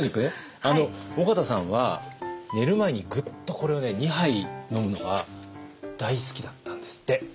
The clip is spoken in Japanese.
緒方さんは寝る前にグッとこれを２杯飲むのが大好きだったんですって。